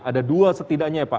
ada dua setidaknya ya pak